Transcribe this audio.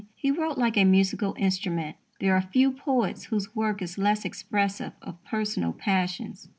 He wrote like a musical instrument. There are few poets whose work is less expressive of personal passions.